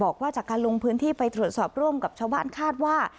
บอกว่าจากการลงพื้นที่ไปตรวจสอบร่วมกับชาวบ้านคาดว่า